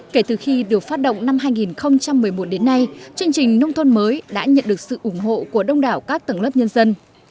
kể từ khi được phát động năm hai nghìn một mươi một đến nay chương trình nông thôn mới đã nhận được sự ủng hộ của đông đảo các tầng lớp nhân dân